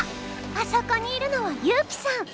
あそこにいるのは優希さん。